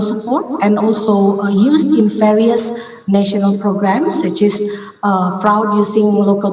dan juga digunakan dalam beberapa program nasional seperti memproduksi produk lokal